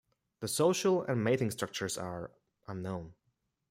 The social and mating structures are unknown.